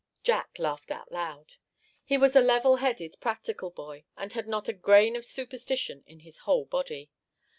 Jack laughed out loud. He was a level headed, practical boy, and had not a grain of superstition in his whole body.